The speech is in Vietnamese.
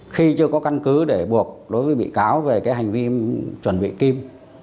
khi chưa có căn cứ để buộc đối với bị cáo về cái hành vi chuẩn bị kim